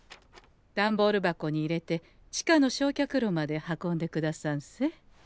段ボール箱に入れて地下のしょうきゃくろまで運んでくださんせ。